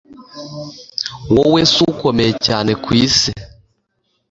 wowe sis ukomeye cyane kwisi